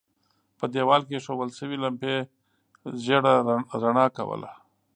په دېوال کې اېښودل شوې لمپې ژېړه رڼا کوله.